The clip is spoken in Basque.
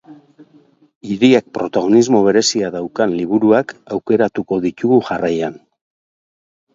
Hiriak protagonismo berezia daukan liburuak aukeratuko ditugu jarraian.